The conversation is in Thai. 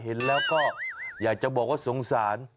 เห็นแล้วก็อยากจะบอกว่าสงสาร